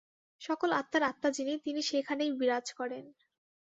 সকল আত্মার আত্মা যিনি, তিনি সেখানেই বিরাজ করেন।